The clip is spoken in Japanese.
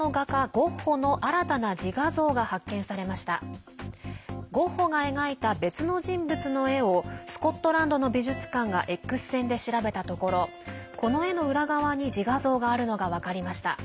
ゴッホが描いた別の人物の絵をスコットランドの美術館がＸ線で調べたところこの絵の裏側に自画像があるのが分かりました。